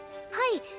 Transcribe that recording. はい。